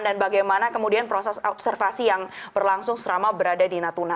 dan bagaimana kemudian proses observasi yang berlangsung selama berada di natuna